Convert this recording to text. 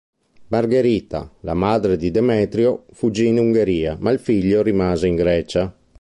Margherita, la madre di Demetrio, fuggì in Ungheria, ma il figlio rimase in Grecia.